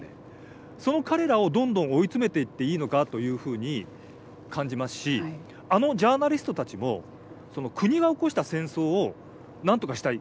その彼らをどんどん追い詰めていっていいのかというふうに感じますしあのジャーナリストたちも国が起こした戦争を何とかしたい。